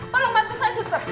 tolong bantu saya suster